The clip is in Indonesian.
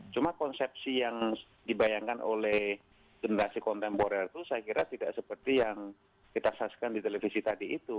cuma konsepsi yang dibayangkan oleh generasi kontemporer itu saya kira tidak seperti yang kita saksikan di televisi tadi itu